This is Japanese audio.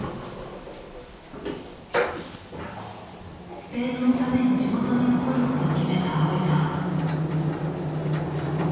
スペードのために地元に残ることを決めた蒼依さん。